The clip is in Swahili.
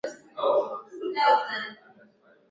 ililenga kupunguza idadi ya Waitalia Wayahudi na watu